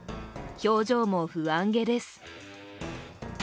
表情も不安げです。